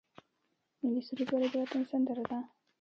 ملي سرود ولې د وطن سندره ده؟